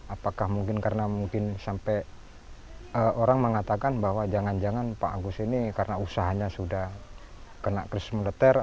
apakah mungkin karena mungkin sampai orang mengatakan bahwa jangan jangan pak agus ini karena usahanya sudah kena krisis moneter